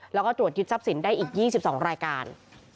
แล้วก็ตรวจยึดทรัพย์สินได้อีก๒๒รายการ